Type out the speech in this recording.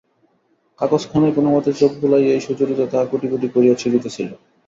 কাগজখানায় কোনোমতে চোখ বুলাইয়াই সুচরিতা তাহা কুটিকুটি করিয়া ছিঁড়িতেছিল।